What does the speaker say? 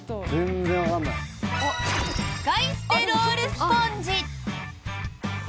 使い捨てロールスポンジ。